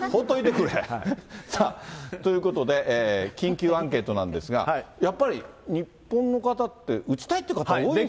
さあ、ということで、緊急アンケートなんですが、やっぱり日本の方って、打ちたいっていう方が多いんですね。